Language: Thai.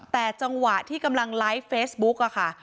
แต่จังหวะที่กำลังไลฟ์เฟซบุ๊กค่ะ